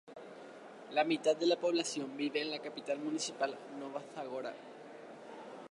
La mitad de la población vive en la capital municipal Nova Zagora.